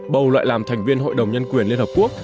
bầu lại làm thành viên hội đồng nhân quyền liên hợp quốc